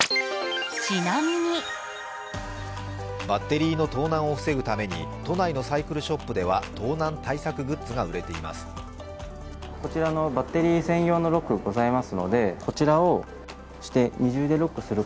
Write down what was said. バッテリーの盗難を防ぐために都内のサイクルショップでは盗難対策グッズが売れています。